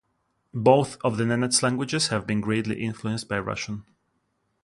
Both of the Nenets languages have been greatly influenced by Russian.